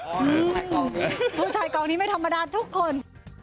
ผู้ชายกองนี้ไม่ธรรมดาทุกคน